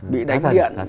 bị đánh điện